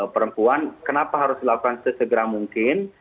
perempuan kenapa harus dilakukan sesegera mungkin